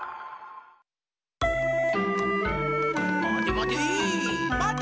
まてまて！